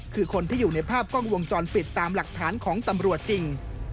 คือคนที่อยู่ในภาพกล้องวงจรปิดตามหลักฐานของตำรวจจริง